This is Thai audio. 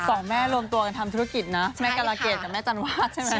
สองแม่รวมตัวกันทำธุรกิจนะแม่กรเกดกับแม่จันวาดใช่ไหม